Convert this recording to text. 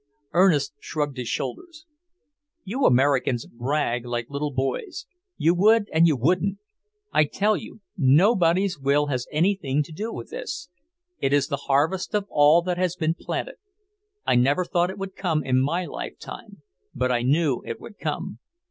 Ernest shrugged his shoulders. "You Americans brag like little boys; you would and you wouldn't! I tell you, nobody's will has anything to do with this. It is the harvest of all that has been planted. I never thought it would come in my life time, but I knew it would come."